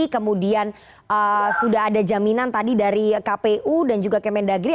kemudian sudah ada jaminan tadi dari kpu dan juga kemendagri